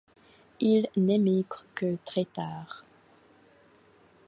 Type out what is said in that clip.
Il n'émigre que très tard.